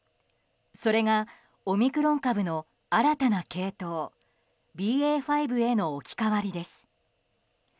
それがオミクロン株の新たな系統ＢＡ．５への置き換わりです。